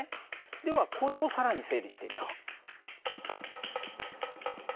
ではこれを更に整理してみよう。